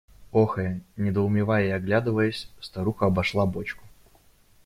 Охая, недоумевая и оглядываясь, старуха обошла бочку.